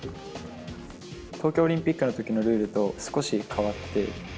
東京オリンピックのときのルールと少し変わって。